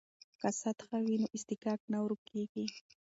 که سطح وي نو اصطکاک نه ورکیږي.